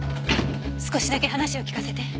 少しだけ話を聞かせて。